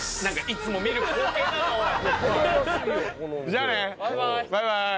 じゃあね。バイバイ。